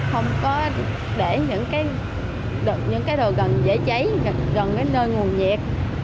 không có để những cái đồ gần dễ cháy gần nơi nguồn nhiệt